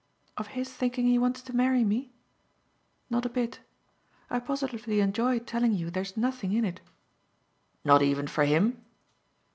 "Of his thinking he wants to marry me? Not a bit. I positively enjoy telling you there's nothing in it." "Not even for HIM?"